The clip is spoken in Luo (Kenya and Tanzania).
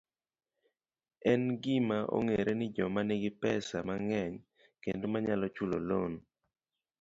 En gima ong'ere ni joma nigi pesa mang'eny kendo manyalo chulo lon